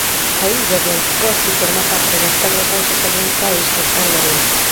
A illa de Anticosti forma parte das terras baixas orientais do San Lorenzo.